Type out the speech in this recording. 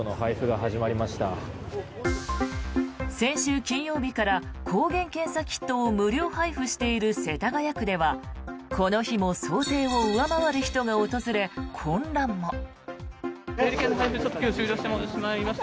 先週金曜日から抗原検査キットを無料配布している世田谷区ではこの日も想定を上回る人が訪れ混乱も。